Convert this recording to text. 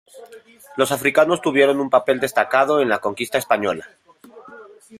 Los africanos tuvieron un papel destacado en la conquista española.